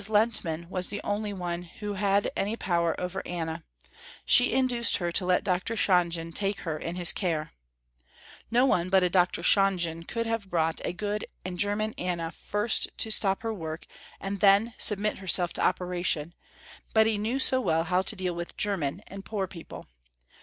Lehntman was the only one who had any power over Anna. She induced her to let Dr. Shonjen take her in his care. No one but a Dr. Shonjen could have brought a good and german Anna first to stop her work and then submit herself to operation, but he knew so well how to deal with german and poor people.